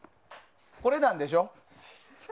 これなんでしょ。